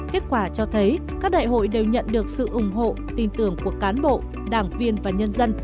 kết quả cho thấy các đại hội đều nhận được sự ủng hộ tin tưởng của cán bộ đảng viên và nhân dân